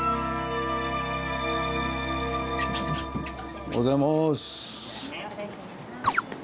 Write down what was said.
おはようございます。